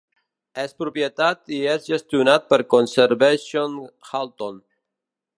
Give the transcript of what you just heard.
És propietat i és gestionat per Conservation Halton.